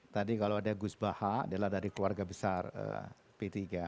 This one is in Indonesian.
tadi kalau ada gus baha dia dari keluarga besar p tiga